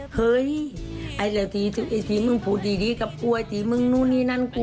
เฮ้ยไอ้ทีมึงพูดดีกับกูไอ้ทีมึงนู่นนี่นั่นกู